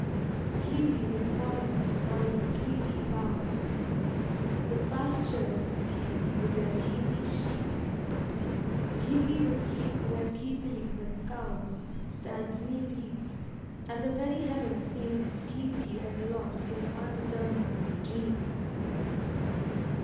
Sleepy the forest, nodding sleepy boughs; The pastures sleepy with their sleepy sheep; Sleepy the creek where sleepily the cows Stand knee deep: and the very heaven seems Sleepy and lost in undetermined dreams.